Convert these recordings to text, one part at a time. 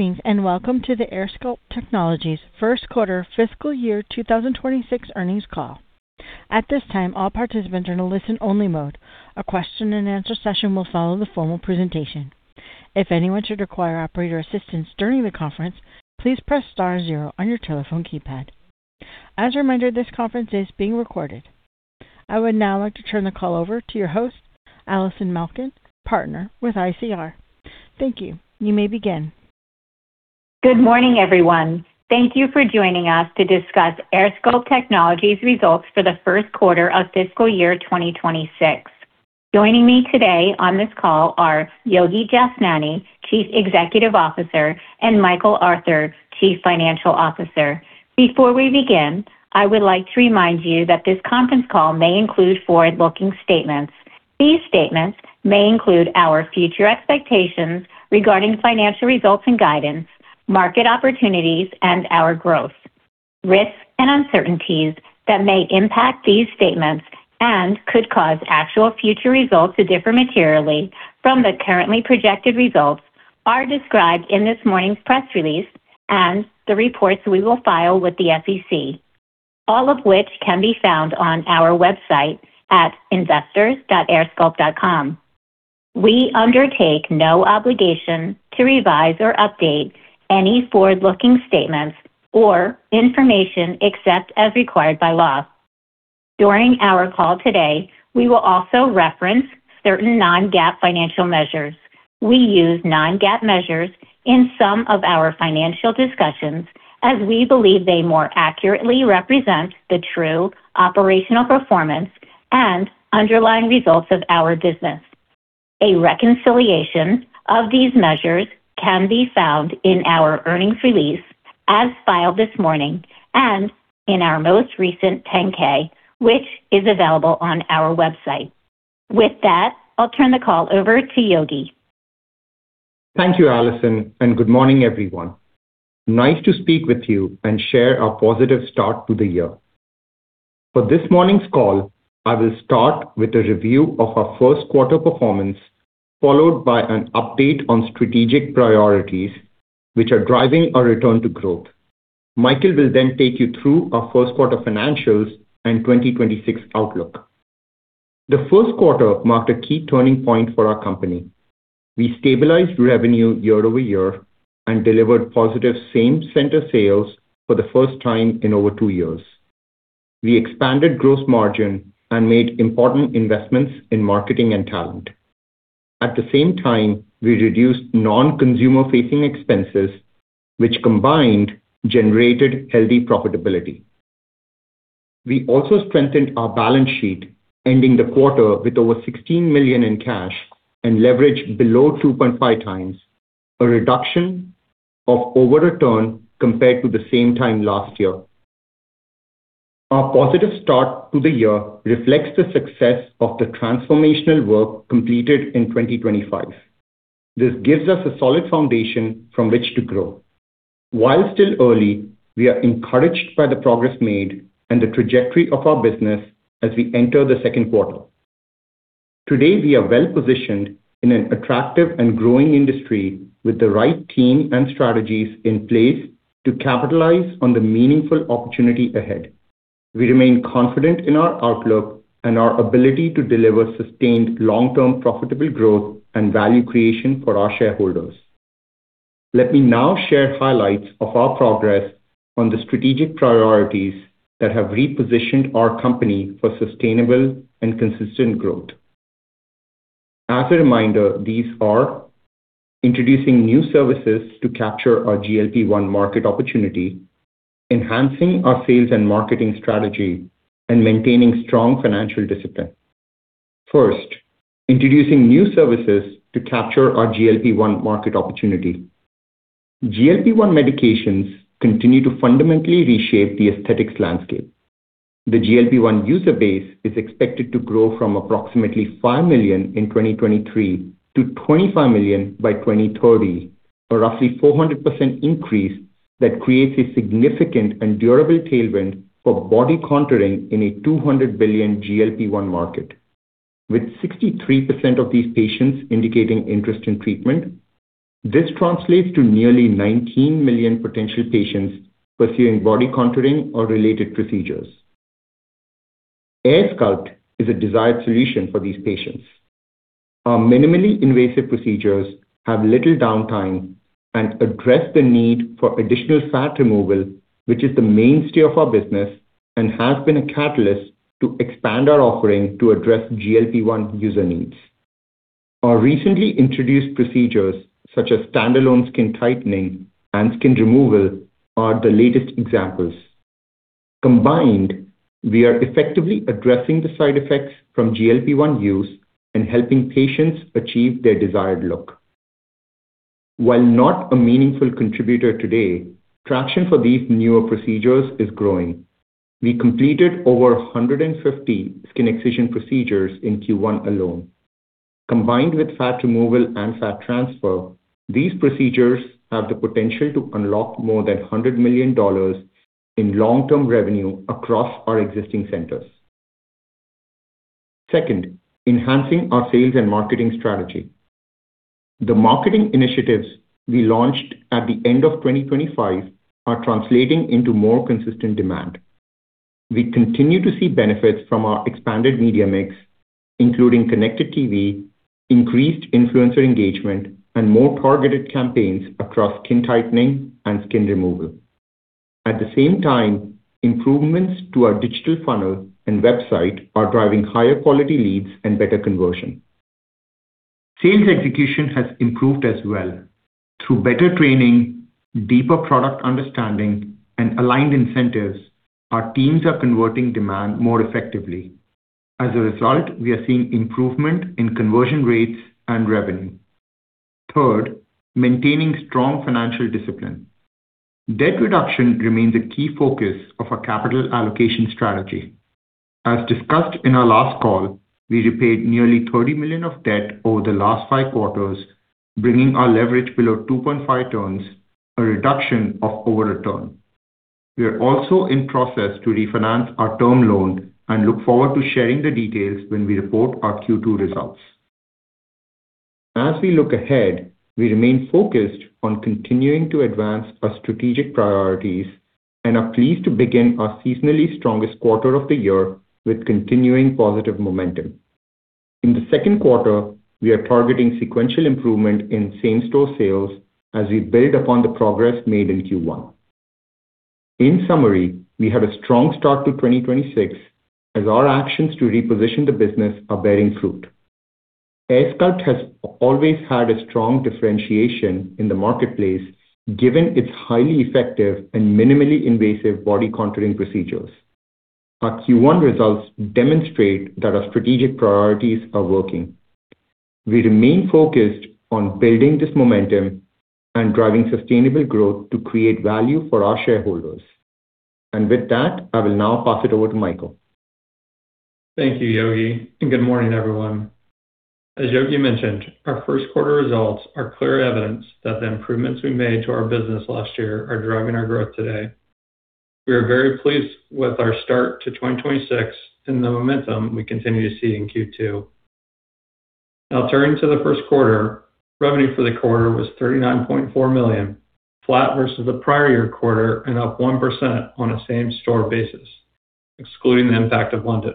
Greetings, and welcome to the AirSculpt Technologies first quarter fiscal year twenty 2026 earnings call. At this time, all participants are in a listen-only mode. A question-and-answer session will follow the formal presentation. If anyone should require operator assistance during the conference, please press star zero on your telephone keypad. As a reminder, this conference is being recorded. I would now like to turn the call over to your host, Allison Malkin, partner with ICR. Thank you. You may begin. Good morning, everyone. Thank you for joining us to discuss AirSculpt Technologies results for the first quarter of fiscal year 2026. Joining me today on this call are Yogi Jashnani, Chief Executive Officer, and Michael Arthur, Chief Financial Officer. Before we begin, I would like to remind you that this conference call may include forward-looking statements. These statements may include our future expectations regarding financial results and guidance, market opportunities, and our growth. Risks and uncertainties that may impact these statements and could cause actual future results to differ materially from the currently projected results are described in this morning's press release and the reports we will file with the SEC, all of which can be found on our website at investors.airsculpt.com. We undertake no obligation to revise or update any forward-looking statements or information except as required by law. During our call today, we will also reference certain non-GAAP financial measures. We use non-GAAP measures in some of our financial discussions as we believe they more accurately represent the true operational performance and underlying results of our business. A reconciliation of these measures can be found in our earnings release as filed this morning and in our most recent 10-K, which is available on our website. With that, I'll turn the call over to Yogi. Thank you, Allison, and good morning, everyone. Nice to speak with you and share our positive start to the year. For this morning's call, I will start with a review of our first quarter performance, followed by an update on strategic priorities which are driving our return to growth. Michael will then take you through our first quarter financials and 2026 outlook. The first quarter marked a key turning point for our company. We stabilized revenue year-over-year and delivered positive same-center sales for the first time in over two years. We expanded gross margin and made important investments in marketing and talent. At the same time, we reduced non-consumer-facing expenses, which combined generated healthy profitability. We also strengthened our balance sheet, ending the quarter with over $16 million in cash and leverage below 2.5x, a reduction of over 1.0 compared to the same time last year. Our positive start to the year reflects the success of the transformational work completed in 2025. This gives us a solid foundation from which to grow. While still early, we are encouraged by the progress made and the trajectory of our business as we enter the second quarter. Today, we are well-positioned in an attractive and growing industry with the right team and strategies in place to capitalize on the meaningful opportunity ahead. We remain confident in our outlook and our ability to deliver sustained long-term profitable growth and value creation for our shareholders. Let me now share highlights of our progress on the strategic priorities that have repositioned our company for sustainable and consistent growth. As a reminder, these are introducing new services to capture our GLP-1 market opportunity, enhancing our sales and marketing strategy, and maintaining strong financial discipline. First, introducing new services to capture our GLP-1 market opportunity. GLP-1 medications continue to fundamentally reshape the aesthetics landscape. The GLP-1 user base is expected to grow from approximately 5 million in 2023 to 25 million by 2030, a roughly 400% increase that creates a significant and durable tailwind for body contouring in a $200 billion GLP-1 market. With 63% of these patients indicating interest in treatment, this translates to nearly 19 million potential patients pursuing body contouring or related procedures. AirSculpt is a desired solution for these patients. Our minimally invasive procedures have little downtime and address the need for additional fat removal, which is the mainstay of our business and has been a catalyst to expand our offering to address GLP-1 user needs. Our recently introduced procedures, such as standalone skin tightening and skin removal, are the latest examples. Combined, we are effectively addressing the side effects from GLP-1 use and helping patients achieve their desired look. While not a meaningful contributor today, traction for these newer procedures is growing. We completed over 150 skin excision procedures in Q1 alone. Combined with fat removal and fat transfer, these procedures have the potential to unlock more than $100 million in long-term revenue across our existing centers. Second, enhancing our sales and marketing strategy. The marketing initiatives we launched at the end of 2025 are translating into more consistent demand. We continue to see benefits from our expanded media mix, including Connected TV, increased influencer engagement, and more targeted campaigns across skin tightening and skin removal. At the same time, improvements to our digital funnel and website are driving higher quality leads and better conversion. Sales execution has improved as well. Through better training, deeper product understanding, and aligned incentives, our teams are converting demand more effectively. As a result, we are seeing improvement in conversion rates and revenue. Third, maintaining strong financial discipline. Debt reduction remains a key focus of our capital allocation strategy. As discussed in our last call, we repaid nearly $30 million of debt over the last five quarters, bringing our leverage below 2.5 turns, a reduction of over one turn. We are also in process to refinance our term loan and look forward to sharing the details when we report our Q2 results. As we look ahead, we remain focused on continuing to advance our strategic priorities and are pleased to begin our seasonally strongest quarter of the year with continuing positive momentum. In the second quarter, we are targeting sequential improvement in same-store sales as we build upon the progress made in Q1. In summary, we had a strong start to 2026 as our actions to reposition the business are bearing fruit. AirSculpt has always had a strong differentiation in the marketplace given its highly effective and minimally invasive body contouring procedures. Our Q1 results demonstrate that our strategic priorities are working. We remain focused on building this momentum and driving sustainable growth to create value for our shareholders. With that, I will now pass it over to Michael. Thank you, Yogi. Good morning, everyone. As Yogi mentioned, our first quarter results are clear evidence that the improvements we made to our business last year are driving our growth today. We are very pleased with our start to 2026 and the momentum we continue to see in Q2. Turning to the first quarter. Revenue for the quarter was $39.4 million, flat versus the prior year quarter and up 1% on a same-store basis, excluding the impact of London.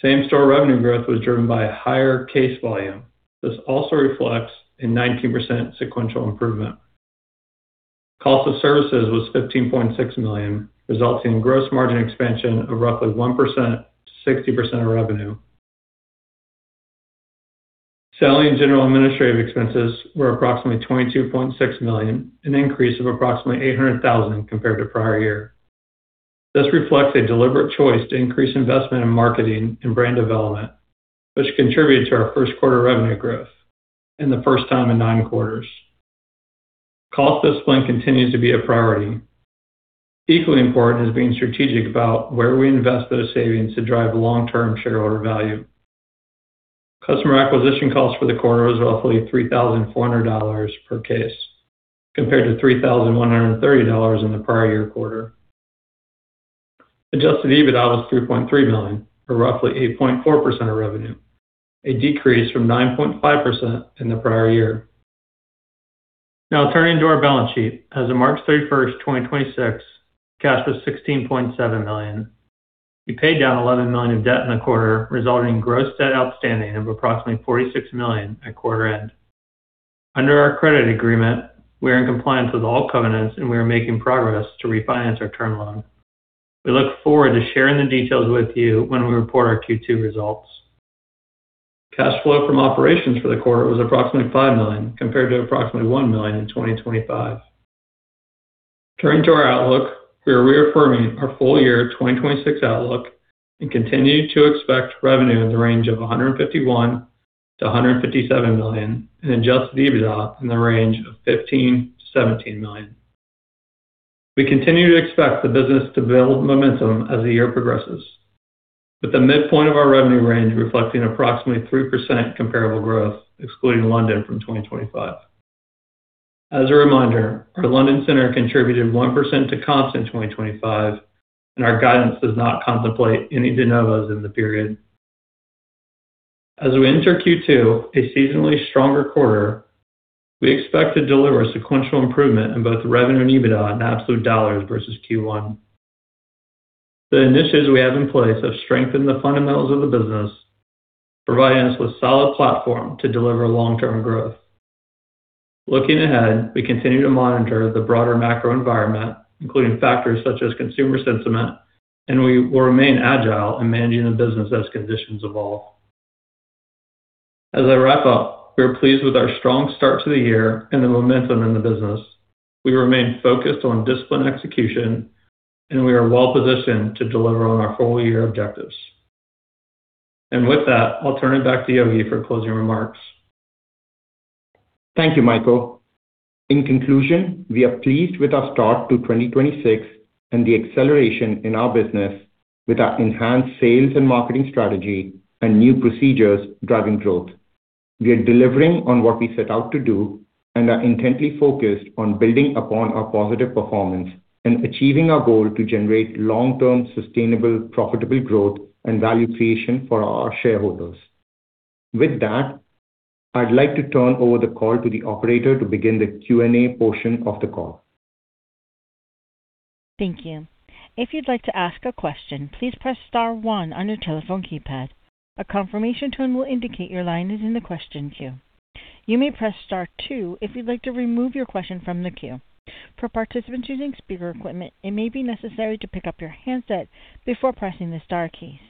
Same-store revenue growth was driven by a higher case volume. This also reflects a 19% sequential improvement. Cost of services was $15.6 million, resulting in gross margin expansion of roughly 1% to 60% of revenue. Selling, General, Administrative expenses were approximately $22.6 million, an increase of approximately $800,000 compared to prior year. This reflects a deliberate choice to increase investment in marketing and brand development, which contributed to our first quarter revenue growth and the first time in nine quarters. Cost discipline continues to be a priority. Equally important is being strategic about where we invest those savings to drive long-term shareholder value. Customer acquisition costs for the quarter was roughly $3,400 per case, compared to $3,130 in the prior year quarter. Adjusted EBITDA was $3.3 million or roughly 8.4% of revenue, a decrease from 9.5% in the prior year. Turning to our balance sheet. As of 31st March, 2026, cash was $16.7 million. We paid down $11 million of debt in the quarter, resulting in gross debt outstanding of approximately $46 million at quarter end. Under our credit agreement, we are in compliance with all covenants, and we are making progress to refinance our term loan. We look forward to sharing the details with you when we report our Q2 results. Cash flow from operations for the quarter was approximately $5 million, compared to approximately $1 million in 2025. Turning to our outlook. We are reaffirming our full year 2026 outlook and continue to expect revenue in the range of $151 million-$157 million and Adjusted EBITDA in the range of $15 million-$17 million. We continue to expect the business to build momentum as the year progresses, with the midpoint of our revenue range reflecting approximately 3% comparable growth excluding London from 2025. As a reminder, our London center contributed 1% to comps in 2025. Our guidance does not contemplate any de novos in the period. As we enter Q2, a seasonally stronger quarter, we expect to deliver sequential improvement in both revenue and EBITDA in absolute $ versus Q1. The initiatives we have in place have strengthened the fundamentals of the business, providing us with solid platform to deliver long-term growth. Looking ahead, we continue to monitor the broader macro environment, including factors such as consumer sentiment. We will remain agile in managing the business as conditions evolve. As I wrap up, we are pleased with our strong start to the year and the momentum in the business. We remain focused on disciplined execution. We are well-positioned to deliver on our full-year objectives. With that, I'll turn it back to Yogi for closing remarks. Thank you, Michael. In conclusion, we are pleased with our start to 2026 and the acceleration in our business with our enhanced sales and marketing strategy and new procedures driving growth. We are delivering on what we set out to do and are intently focused on building upon our positive performance and achieving our goal to generate long-term sustainable, profitable growth and value creation for our shareholders. With that, I'd like to turn over the call to the operator to begin the Q&A portion of the call. Thank you. If you'd like to ask a question, please press star one on your telephone keypad. A confirmation tone will indicate your line is in the question queue. You may press star two if you'd like to remove your question from the queue. For participants using speaker equipment, it may be necessary to pick up your handset before pressing the star keys.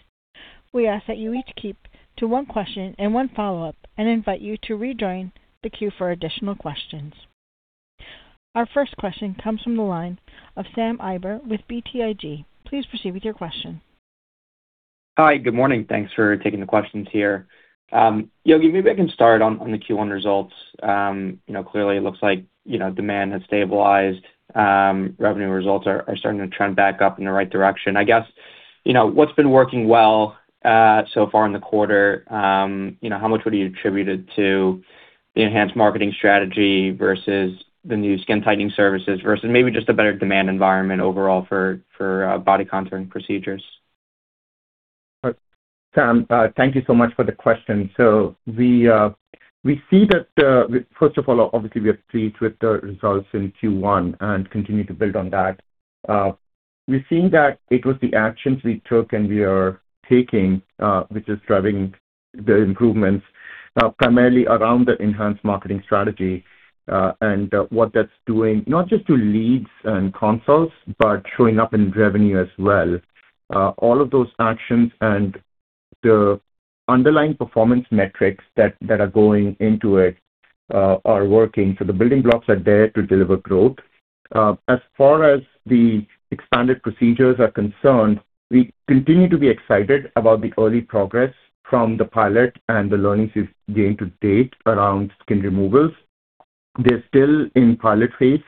We ask that you each keep to one question and one follow-up and invite you to rejoin the queue for additional questions. Our first question comes from the line of Sam Eiber with BTIG. Please proceed with your question. Hi. Good morning. Thanks for taking the questions here. Yogi, maybe I can start on the Q1 results. You know, clearly it looks like, you know, demand has stabilized. Revenue results are starting to trend back up in the right direction. I guess, you know, what's been working well so far in the quarter? You know, how much would you attribute it to the enhanced marketing strategy versus the new skin tightening services versus maybe just a better demand environment overall for body contouring procedures? Sam, thank you so much for the question. We, we see that, first of all, obviously we are pleased with the results in Q1 and continue to build on that. We've seen that it was the actions we took and we are taking, which is driving the improvements, primarily around the enhanced marketing strategy. What that's doing, not just to leads and consults, but showing up in revenue as well. All of those actions and the underlying performance metrics that are going into it, are working. The building blocks are there to deliver growth. As far as the expanded procedures are concerned, we continue to be excited about the early progress from the pilot and the learnings we've gained to date around skin removals. They're still in pilot phase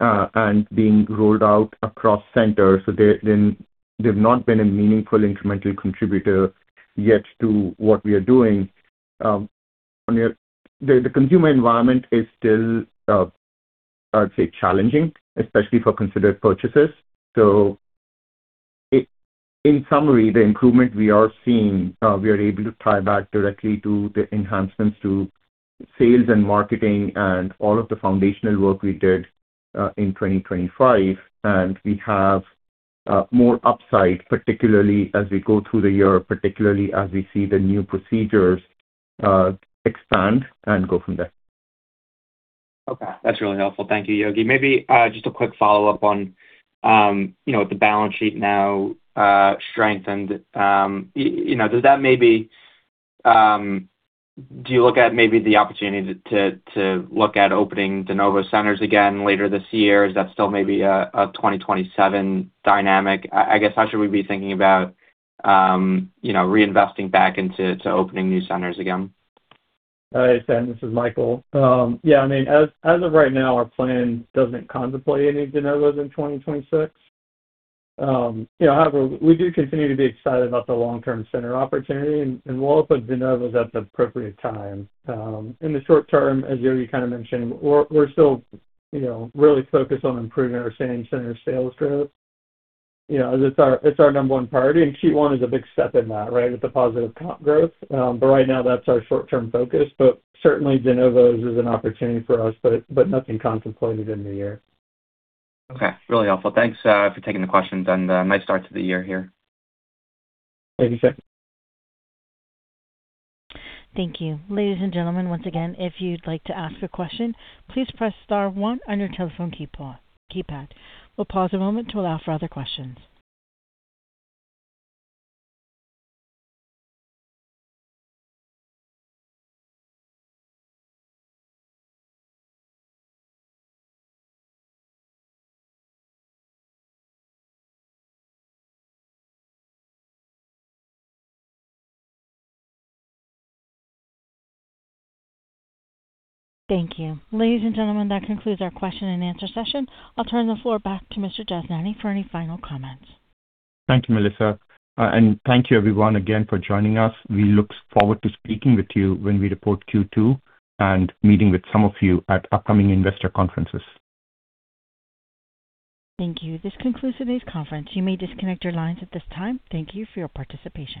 and being rolled out across centers, so they've not been a meaningful incremental contributor yet to what we are doing. The consumer environment is still I would say challenging, especially for considered purchases. In summary, the improvement we are seeing we are able to tie back directly to the enhancements to sales and marketing and all of the foundational work we did in 2025. We have more upside, particularly as we go through the year, particularly as we see the new procedures expand and go from there. Okay. That's really helpful. Thank you, Yogi. Maybe, just a quick follow-up on, you know, the balance sheet now, strengthened. You know, Do you look at maybe the opportunity to look at opening de novo centers again later this year? Is that still maybe a 2027 dynamic? I guess, how should we be thinking about, you know, reinvesting back into opening new centers again? Hi, Sam Eiber. This is Michael Arthur. Yeah, I mean, as of right now, our plan doesn't contemplate any de novos in 2026. You know, we do continue to be excited about the long-term center opportunity, and we'll open de novos at the appropriate time. In the short term, as Yogi kind of mentioned, we're still, you know, really focused on improving our same-center sales growth. You know, it's our number one priority, Q1 is a big step in that, right, with the positive comp growth. Right now that's our short-term focus. Certainly de novos is an opportunity for us, but nothing contemplated in the year. Okay. Really helpful. Thanks for taking the questions and nice start to the year here. Thank you, Sam. Thank you. Ladies and gentlemen, once again, if you'd like to ask a question, please press star one on your telephone keypad. We'll pause a moment to allow for other questions. Thank you. Ladies and gentlemen, that concludes our question and answer session. I'll turn the floor back to Mr. Jashnani for any final comments. Thank you, Melissa, and thank you everyone again for joining us. We look forward to speaking with you when we report Q2 and meeting with some of you at upcoming investor conferences. Thank you. This concludes today's conference. You may disconnect your lines at this time. Thank you for your participation.